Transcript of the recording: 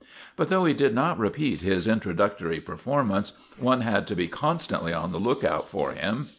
But, though he did not repeat his intro ductory performance, one had to be constantly on the lookout for him.